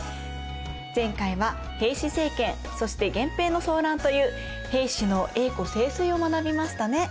前回は平氏政権そして源平の争乱という平氏の栄枯盛衰を学びましたね。